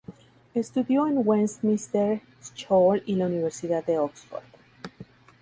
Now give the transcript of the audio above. Estudió en Westminster School y la Universidad de Oxford.